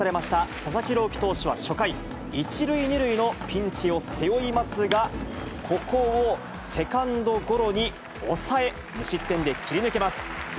佐々木朗希投手は初回、１塁２塁のピンチを背負いますが、ここをセカンドゴロに抑え、無失点で切り抜けます。